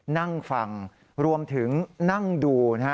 นั่งฟังรวมถึงนั่งดูนะฮะ